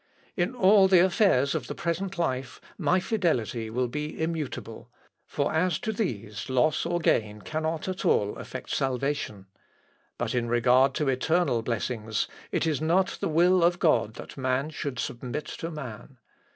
In all the affairs of the present life my fidelity will be immutable, for as to these loss or gain cannot at all affect salvation. But in regard to eternal blessings, it is not the will of God that man should submit to man.